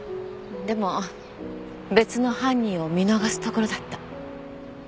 でも別の犯人を見逃すところだった。